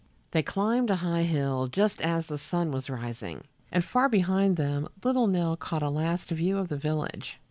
They climbed a high hill just as the sun was rising, and far behind them little Nell caught a last view of the village.